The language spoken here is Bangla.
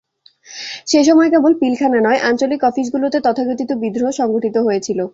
সে সময় কেবল পিলখানা নয়, আঞ্চলিক অফিসগুলোতে তথাকথিত বিদ্রোহ সংঘটিত হয়েছিল।